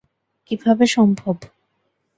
কিভাবে সম্ভব?